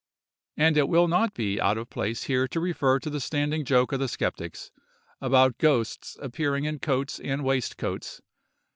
And it will not be out of place here to refer to the standing joke of the skeptics, about ghosts appearing in coats and waistcoats.